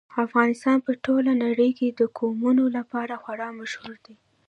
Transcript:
افغانستان په ټوله نړۍ کې د قومونه لپاره خورا مشهور دی.